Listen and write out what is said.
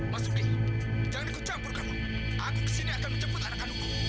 masudie jangan aku campur kamu aku ke sini akan menjemput anak anakku